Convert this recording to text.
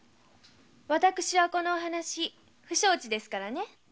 私はこのお話不承知ですからね！